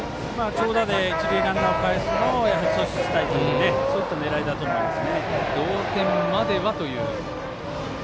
長打で一塁ランナーをかえすのを阻止したいというそういった狙いだと思います。